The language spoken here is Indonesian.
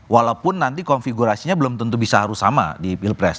walaupun nanti konfigurasinya belum tentu bisa harus sama di pilpres